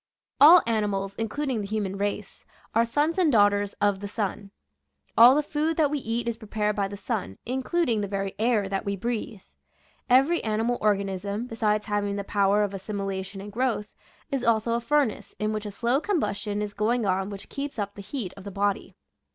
All animals, including the human race, are /]. Original from UNIVERSITY OF WISCONSIN Zbc Sun's "Rag*. 159 sons and duughters of the sun. All the food that we eat is prepared by the sun, including the very air that we breathe. Every animal organism, besides having the power of as similation and growth, is also a furnace in which a slow combustion is going on which keeps up the heat of the body.